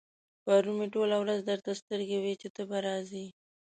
پرون مې ټوله ورځ درته سترګې وې چې ته به راځې.